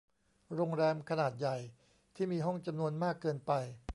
โรงแรมขนาดใหญ่ที่มีห้องจำนวนมากเกินไป